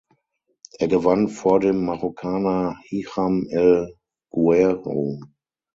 Er gewann vor dem Marokkaner Hicham El Guerrouj.